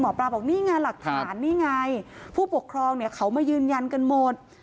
หมอปลาบอกนี่ไงหลักฐานนี่ไงผู้ปกครองเนี่ยเขามายืนยันกันหมด